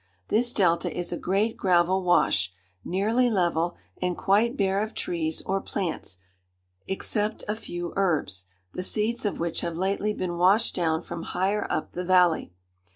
This delta is a great gravel wash, nearly level, and quite bare of trees or plants, except a few herbs, the seeds of which have lately been washed down from higher up the valley.